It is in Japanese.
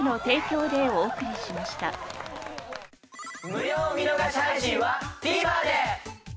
無料見逃し配信はＴＶｅｒで！